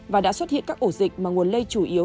và đã xuất hiện các ổ dịch mà nguồn lây chủ yếu